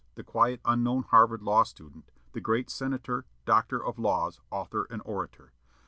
the quiet, unknown Harvard law student; the great senator, doctor of laws, author, and orator.